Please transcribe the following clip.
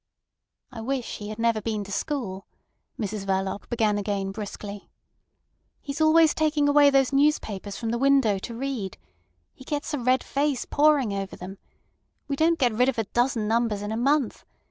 "I wish he had never been to school," Mrs Verloc began again brusquely. "He's always taking away those newspapers from the window to read. He gets a red face poring over them. We don't get rid of a dozen numbers in a month.